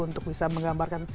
untuk bisa menggambarkan